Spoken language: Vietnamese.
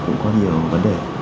cũng có nhiều vấn đề